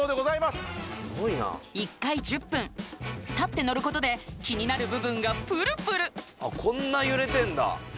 すごいな１回１０分立って乗ることで気になる部分がプルプルあっこんな揺れてんだ